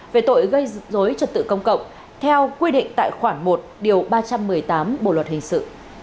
về tội gây dối trật tự công cộng theo quy định tại khoản một điều ba trăm một mươi tám bộ luật hình sự